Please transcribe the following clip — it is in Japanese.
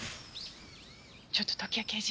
ちょっと時矢刑事。